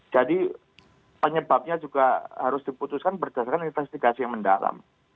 jadi penyebabnya juga harus diputuskan berdasarkan investigasi yang mendalam